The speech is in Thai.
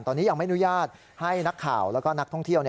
ตอนนี้ยังไม่อนุญาตให้นักข่าวแล้วก็นักท่องเที่ยว